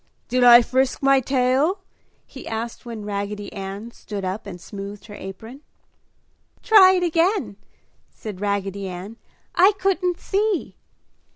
"Did I frisk my tail?" he asked when Raggedy Ann stood up and smoothed her apron. "Try it again!" said Raggedy Ann. "I couldn't see!"